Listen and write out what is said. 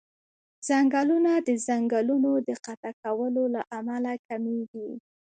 ځنګلونه د ځنګلونو د قطع کولو له امله کميږي.